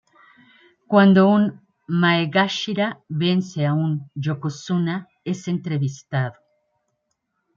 Cuando un "maegashira" vence a un "yokozuna" es entrevistado.